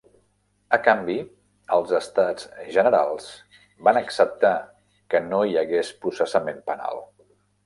A canvi, els Estats Generals van acceptar que no hi hagués processament penal.